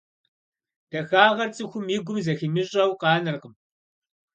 Дахагъэр цӀыхум и гум зэхимыщӀэу къанэркъым.